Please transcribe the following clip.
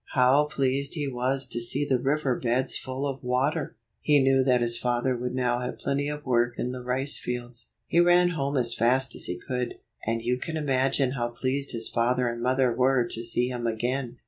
How pleased he was to see the river beds full of water! He knew that his father would now have plentyof work in the rice fields. He ran home as fast as he could, and you can imagine how pleased his father and mother were to see him again.